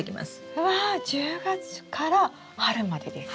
うわ１０月から春までですか？